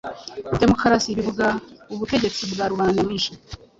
Demokarasi bivuga ubutegetsi bwa rubanda nyamwinshi